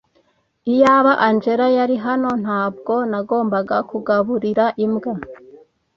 Iyaba Angella yari hano, ntabwo nagomba kugaburira imbwa.